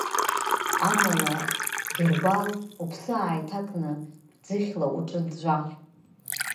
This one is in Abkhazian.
Амала, Гьыргәал, уԥсы ааиҭакны, ӡыхьла уҿы ӡәӡәа.